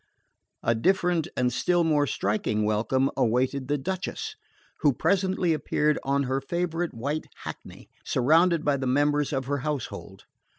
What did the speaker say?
A different and still more striking welcome awaited the Duchess, who presently appeared on her favourite white hackney, surrounded by the members of her household.